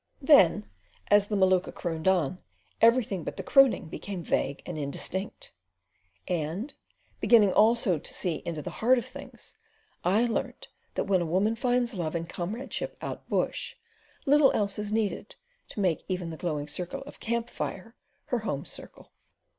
Then as the Maluka crooned on, everything but the crooning became vague and indistinct, and, beginning also to see into the heart of things, I learned that when a woman finds love and comradeship out bush, little else is needed to make even the glowing circle of a camp fire her home circle.